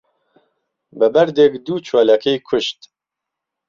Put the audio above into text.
به بهردێک دوو چۆلهکهی کوشت